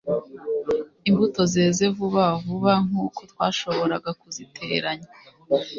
Imbuto zeze vuba vuba nkuko twashoboraga kuziteranya